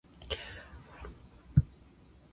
Regeneration efforts are underway.